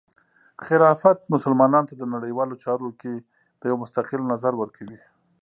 خلافت مسلمانانو ته د نړیوالو چارو کې د یو مستقل نظر ورکوي.